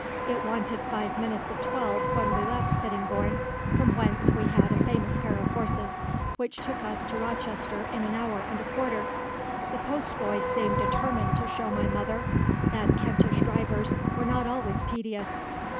It wanted five minutes of twelve when we left Sittingbourne, from whence we had a famous pair of horses, which took us to Rochester in an hour and a quarter; the postboy seemed determined to show my mother that Kentish drivers were not always tedious.